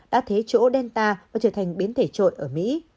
đã thế chỗ delta và trở thành biến thể trội ở mỹ